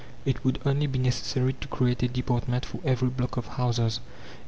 It would only be necessary to create a department for every block of houses.